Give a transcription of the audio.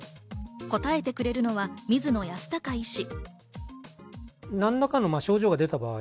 答えてくれるのは水野泰孝医師。